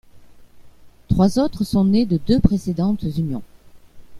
Trois autres sont nés de deux précédentes unions.